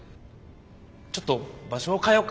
ちょっと場所を変えようか。